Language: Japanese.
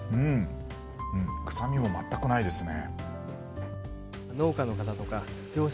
臭みもまったくないですね。